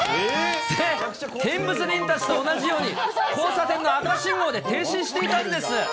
見物人たちと同じように、交差点の赤信号で停止していたんです。